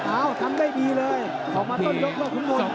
อ้าวทำได้ดีเลยจะมาต้นยกขุนพล